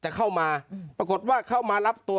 เจ้าหน้าที่แรงงานของไต้หวันบอก